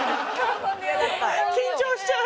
緊張しちゃう。